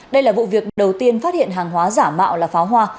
đây là vụ việc đầu tiên phát hiện hàng hóa giả mạo là pháo hoa